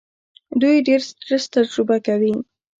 دوی ډېر سټرس تجربه کوي.